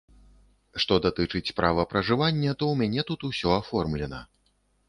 Што датычыць права пражывання, то ў мяне тут усё аформлена.